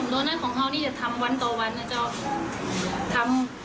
โดนที่ของเฮาวนี่จะทำวันต่อวันนะเจ้า